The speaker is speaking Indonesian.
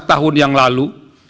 tahun yang lalu